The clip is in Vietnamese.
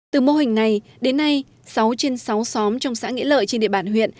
từ mô hình này đến nay sáu trên sáu xóm trong xã nghĩa lợi trên địa bàn huyện